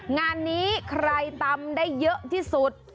งานนี้ใครตำได้เยอะที่สุด